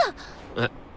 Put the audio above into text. えっ！